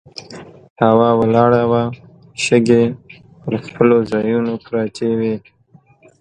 هوا ولاړه وه، شګې پر خپلو ځایونو پرتې وې.